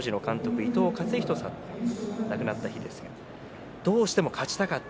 伊東勝人さんが亡くなった日ですがどうしても勝ちたかった。